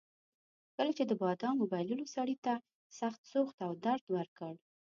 کله چې د بادامو بایللو سړي ته سخت سوخت او درد ورکړ.